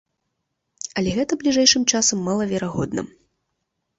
Але гэта бліжэйшым часам малаверагодна.